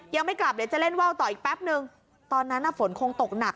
ยังไม่กลับเดี๋ยวจะเล่นว่าวต่ออีกแป๊บนึงตอนนั้นฝนคงตกหนัก